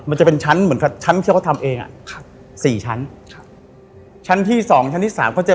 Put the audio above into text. มันจะเป็นชั้นใช้เป็นสองจะเปิดถ้าเปิดประตู